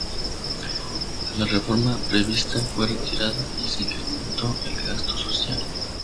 La reforma prevista fue retirada y se incrementó el gasto social.